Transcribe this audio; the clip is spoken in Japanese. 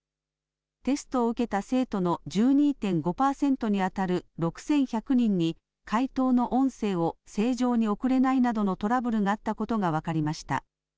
テストを受けた生徒の１２．５パーセントに当たる６１００人に回答の音声を正常に送れないなどのトラブルがあったことが分かりました。